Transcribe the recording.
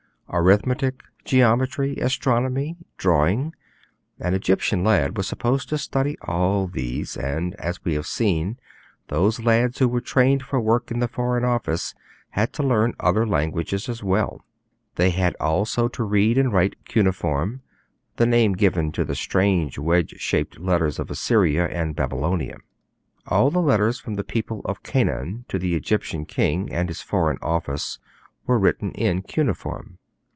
Arithmetic, geometry, astronomy, drawing, an Egyptian lad was supposed to study all these, and as we have seen, those lads who were trained for work in the Foreign Office had to learn other languages as well; they had also to read and write 'cuneiform' the name given to the strange wedge shaped letters of Assyria and Babylonia. All the letters from the people of Canaan to the Egyptian king and his Foreign Office were written in cuneiform.